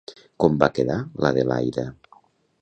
Com va quedar l'Adelaida?